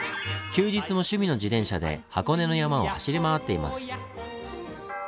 休日も趣味の自転車で箱根の山を走り回っています。